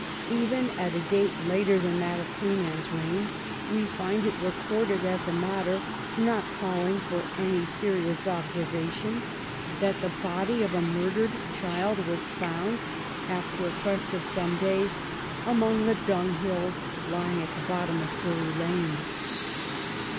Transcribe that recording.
Even at a date later than that of Queen Anne's reign we find it recorded as a matter not calling for any serious observation that the body of a murdered child was found, after a quest of some days, among the dunghills lying at the bottom of Drury Lane.